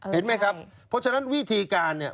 เห็นไหมครับเพราะฉะนั้นวิธีการเนี่ย